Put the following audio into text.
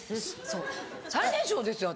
そう最年少ですよ